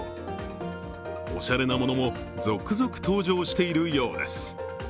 おしゃれなものも続々登場しているようです。